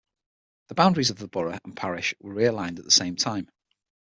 The boundaries of the borough and parish were realigned at the same time.